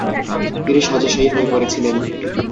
তিনি শয্যাশায়ী হয়ে পড়েছিলেন।